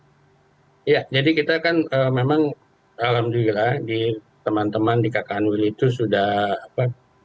biasanya kita sudah memiliki harga yang cukup tinggi jadi kita akan memang alhamdulillah di teman teman di kkn will itu sudah apa ya